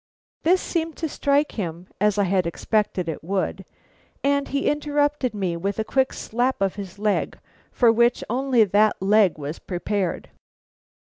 This seemed to strike him as I had expected it would, and he interrupted me with a quick slap of his leg, for which only that leg was prepared.